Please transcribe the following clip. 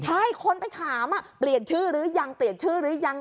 ใช่คนไปถามเปลี่ยนชื่อหรือยังเปลี่ยนชื่อหรือยัง